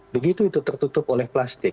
begitu itu tertutup oleh plastik